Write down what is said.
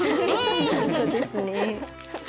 本当ですね。